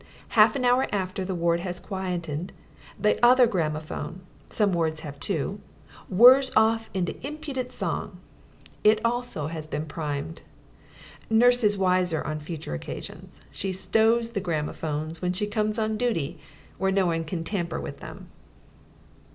Half an hour after the ward has quietened, the other gramophone (some wards own two) whirrs off into impudent song: it also has been primed. Nurse is wiser on future occasions: she stows the gramophones, when she comes on duty, where no one can tamper with them.